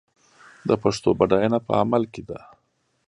د پښتو بډاینه په عمل کې ده.